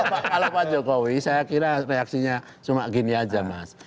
kalau pak jokowi saya kira reaksinya cuma gini aja mas